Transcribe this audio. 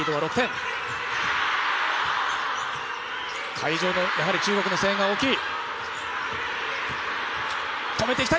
会場も中国の声援が大きい。